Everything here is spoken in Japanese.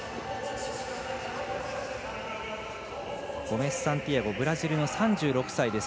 ゴメスサンティアゴブラジルの３６歳です。